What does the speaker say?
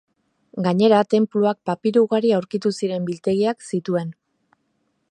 Gainera tenpluak papiro ugari aurkitu ziren biltegiak zituen.